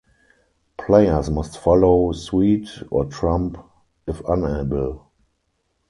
Players must follow suit or trump if unable.